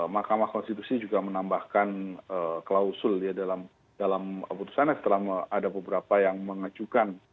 mahkamah konstitusi juga menambahkan klausul ya dalam keputusannya setelah ada beberapa yang mengajukan